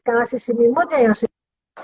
karena sistem imunnya yang sudah